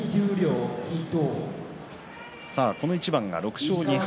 この一番が６勝２敗